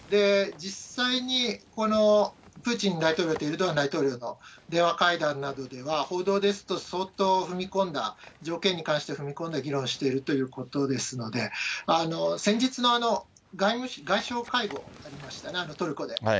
実際にプーチン大統領とエルドアン大統領の電話会談などでは、報道ですと、相当踏み込んだ、条件に関して踏み込んだ議論をしているということですので、先日の外相会合ありましたね、トルコで。